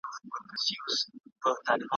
زه او آس یو د یوه غوجل چارپایه `